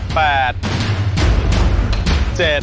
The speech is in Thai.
แปดเจ็ด